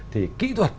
thì kỹ thuật